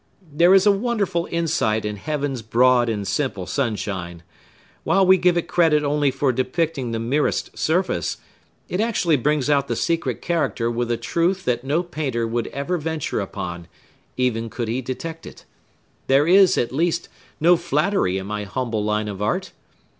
There is a wonderful insight in Heaven's broad and simple sunshine. While we give it credit only for depicting the merest surface, it actually brings out the secret character with a truth that no painter would ever venture upon, even could he detect it. There is, at least, no flattery in my humble line of art.